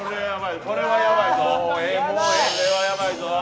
これはヤバいぞ。